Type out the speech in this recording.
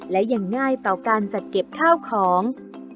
และอย่างง่ายเปล่าการจัดเก็บข้าวของ